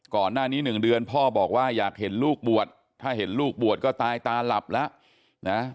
ก่อนหน้านี้๑เดือนพ่อบอกว่าอยากเห็นลูกบวชถ้าเห็นลูกบวชก็ตายตาหลับแล้วนะ